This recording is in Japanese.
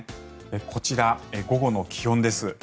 こちら午後の気温です。